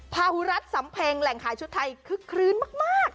พาหุรัฐสำเพ็งแหล่งขายชุดไทยคึกคลื้นมาก